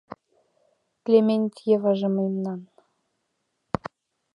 Клементьеваже мемнан.